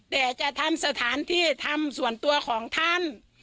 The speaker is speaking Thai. แต่จะทำสถานที่ทำส่วนตัวของท่าน